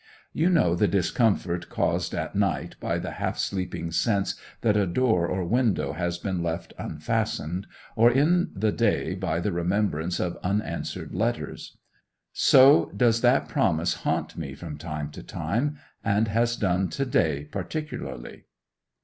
You know the discomfort caused at night by the half sleeping sense that a door or window has been left unfastened, or in the day by the remembrance of unanswered letters. So does that promise haunt me from time to time, and has done to day particularly.